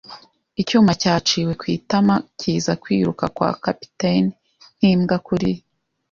icyuma cyaciwe ku itama, kiza kwiruka kwa capitaine nk'imbwa kuri